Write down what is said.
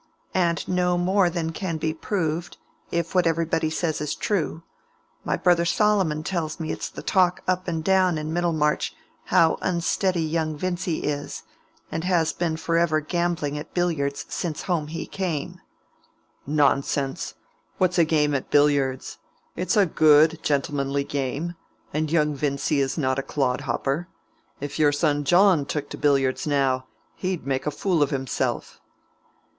"And no more than can be proved, if what everybody says is true. My brother Solomon tells me it's the talk up and down in Middlemarch how unsteady young Vincy is, and has been forever gambling at billiards since home he came." "Nonsense! What's a game at billiards? It's a good gentlemanly game; and young Vincy is not a clodhopper. If your son John took to billiards, now, he'd make a fool of himself."